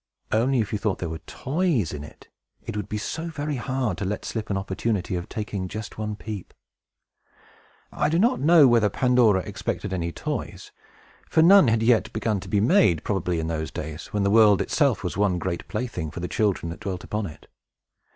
Only, if you thought there were toys in it, it would be so very hard to let slip an opportunity of taking just one peep! I know not whether Pandora expected any toys; for none had yet begun to be made, probably, in those days, when the world itself was one great plaything for the children that dwelt upon it.